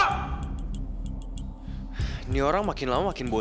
ini orang makin lama makin boco